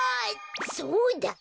そうだ。